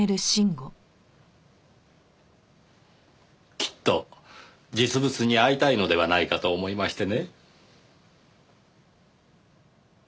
きっと実物に会いたいのではないかと思いましてね。